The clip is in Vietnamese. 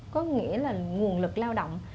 có nghĩa là nguồn lực lao động